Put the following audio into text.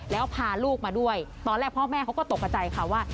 แล้วพาลูกมาด้วยตอนแรกพ่อแม่เขาก็ตกกระใจค่ะว่า